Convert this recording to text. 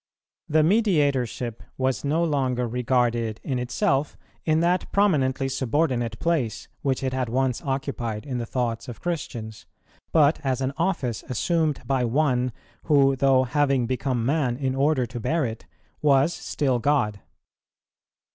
The Mediatorship was no longer regarded in itself, in that prominently subordinate place which it had once occupied in the thoughts of Christians, but as an office assumed by One, who though having become man in order to bear it, was still God.